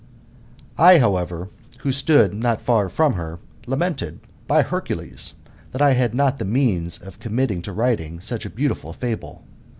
I, however, who stood not far from her, lamented, by Her cules, that I had not the means of committing to writing such a beautiful fable.